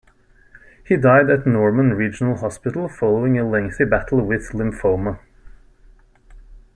He died at Norman Regional Hospital following a lengthy battle with lymphoma.